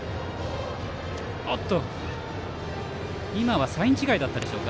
今はサイン違いだったでしょうか。